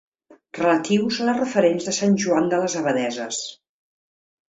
Relatius a les referents de Sant Joan de les Abadesses.